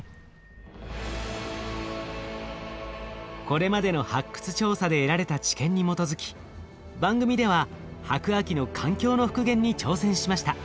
これまでの発掘調査で得られた知見に基づき番組では白亜紀の環境の復元に挑戦しました。